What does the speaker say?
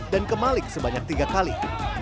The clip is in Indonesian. dan kemalik sebanyak tiga kali